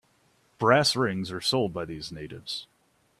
Brass rings are sold by these natives.